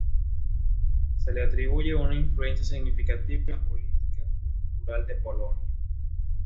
Se le atribuye una influencia significativa en la política cultural de Polonia.